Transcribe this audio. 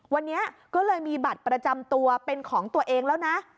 วันนี้ก็เลยมีบัตรประจำตัวเป็นของตัวเองแล้วนะ